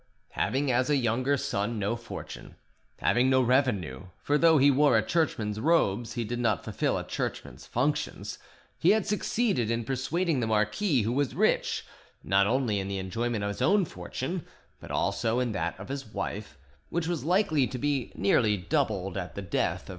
Having as a younger son no fortune, having no revenue, for though he wore a Churchman's robes he did not fulfil a Churchman's functions, he had succeeded in persuading the marquis, who was rich, not only in the enjoyment of his own fortune, but also in that of his wife, which was likely to be nearly doubled at the death of M.